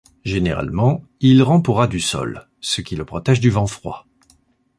Généralement, il rampe au ras du sol, ce qui le protège du vent froid.